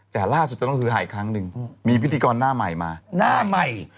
แต่ล่าสุดจะต้องซื้อหายครั้งหนึ่งมีพิธีกรหน้าใหม่มาหน้าใหม่